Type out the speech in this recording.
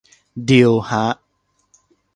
ดีลฮะ